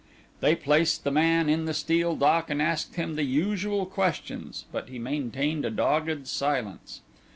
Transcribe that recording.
They placed the man in the steel dock and asked him the usual questions, but he maintained a dogged silence.